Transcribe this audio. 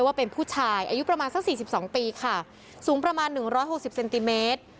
ว่าเป็นผู้ชายอายุประมาณสัก๔๒ปีค่ะสูงประมาณ๑๖๐เซนติเมตร